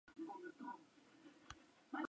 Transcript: Toto era el dueño de un bar de esa ciudad.